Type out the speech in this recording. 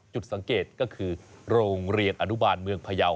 จุดสังเกตก็คือโรงเรียนอนุบาลเมืองพยาว